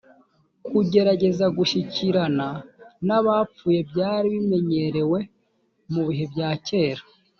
kugerageza gushyikirana n abapfuye byari bimenyerewe mu bihe bya kera